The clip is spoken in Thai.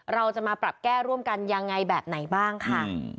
เราจะมาปรับแก้ร่วมกันยังไงแบบไหนบ้างค่ะ